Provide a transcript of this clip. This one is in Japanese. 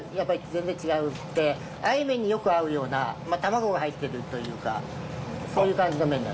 あえ麺によく合うような卵が入ってるというかそういう感じの麺なんです。